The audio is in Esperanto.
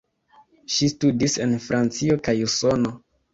Ŝi studis en Francio kaj Usono.